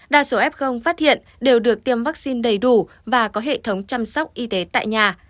đa số f phát hiện đều được tiêm vaccine đầy đủ và có hệ thống chăm sóc y tế tại nhà